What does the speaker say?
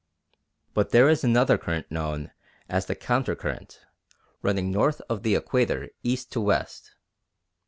But there is another current known as the Counter Current, running north of the Equator east to west.